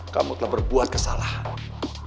kamu telah berbuat kesalahan